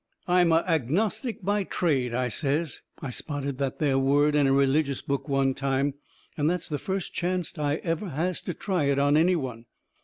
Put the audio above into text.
"I'm a agnostic by trade," I says. I spotted that there word in a religious book one time, and that's the first chancet I ever has to try it on any one.